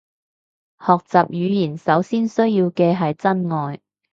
學習語言首先需要嘅係真愛